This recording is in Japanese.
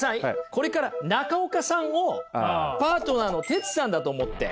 これから中岡さんをパートナーのテツさんだと思って。